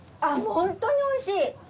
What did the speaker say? あっホントにおいしい！